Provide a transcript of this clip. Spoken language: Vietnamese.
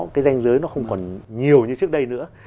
cái danh giới nó không còn nhiều như trước đây nữa